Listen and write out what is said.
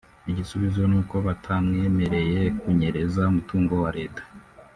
Igisubizo n’uko batamwemereye kunyereza umutungo wa Leta